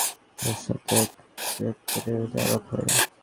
ওর সাথে একাডেমিতে আলাপ হয়।